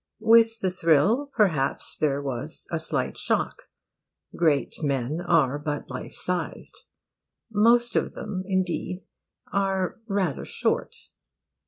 With the thrill, perhaps, there was a slight shock. Great men are but life sized. Most of them, indeed, are rather short.